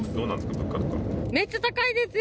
物めっちゃ高いですよ。